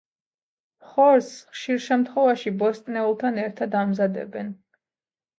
ხორცს, ხშირ შემთხვევაში, ბოსტნეულთან ერთად ამზადებენ.